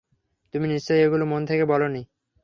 তুমি নিশ্চয়ই এগুলো মন থেকে বলোনি!